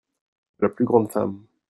la plus grande femme.